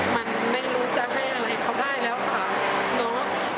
มันไม่รู้จะให้อะไรเขาได้แล้วค่ะเนาะ